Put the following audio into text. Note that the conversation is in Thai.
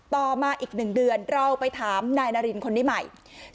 ต่อมาอีก๑เดือนเราไปถามนายนารินคนนี้ใหม่